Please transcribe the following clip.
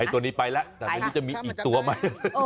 ตัวนี้ไปแล้วแต่ไม่รู้จะมีอีกตัวไหม